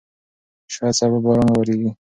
شاید سبا باران وورېږي.